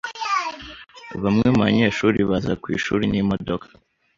Bamwe mu banyeshuri baza ku ishuri n'imodoka.